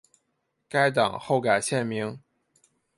该党后改现名。